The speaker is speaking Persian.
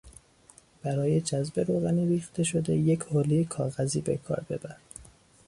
برای جذب روغن ریخته شده یک حولهی کاغذی به کار ببر.